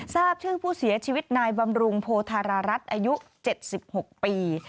ทราบชื่อผู้เสียชีวิตนายบำรุงโพธารารัฐอายุ๗๖ปี